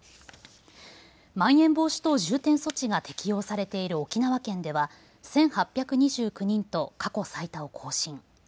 まん延防止等重点措置が適用されている沖縄県では、１８２９人と過去最多を更新。